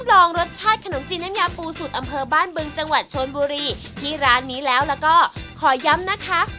ก็ติดตามไปที่ร้านดานนะครับ